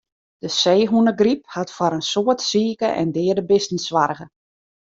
De seehûnegryp hat foar in soad sike en deade bisten soarge.